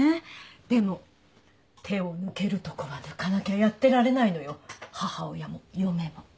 でも手を抜けるとこは抜かなきゃやってられないのよ母親も嫁も。